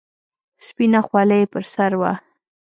سپينه خولۍ يې پر سر وه.